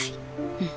うん。